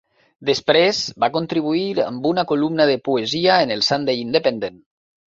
Després va contribuir amb una columna de poesia en el Sunday Independent.